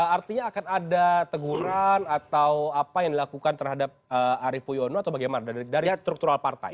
artinya akan ada teguran atau apa yang dilakukan terhadap arief puyono atau bagaimana dari struktural partai